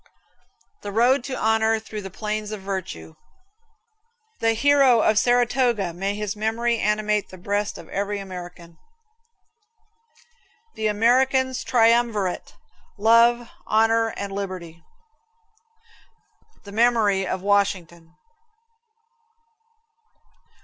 The road to honor through the plains of virtue. The hero of Saratoga may his memory animate the breast of every American. The American's triumvirate, love, honor and liberty. The memory of Washington.